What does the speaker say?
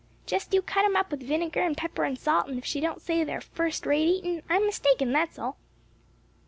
"Just you cut 'em up with vinegar and pepper and salt, and if she don't say they're first rate eatin' I'm mistaken; that's all."